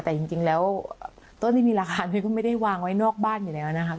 แต่จริงแล้วต้นที่มีราคามันก็ไม่ได้วางไว้นอกบ้านอยู่แล้วนะครับ